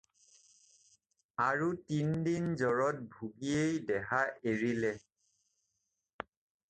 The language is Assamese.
আৰু তিন দিন জ্বৰত ভুগিয়েই দেহা এৰিলে।